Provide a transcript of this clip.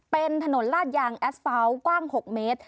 เป็นถนนลาดยางแอดเฟ้าทกว้าง๖เมตร